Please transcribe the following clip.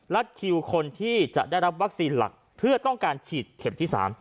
คิวคนที่จะได้รับวัคซีนหลักเพื่อต้องการฉีดเข็มที่๓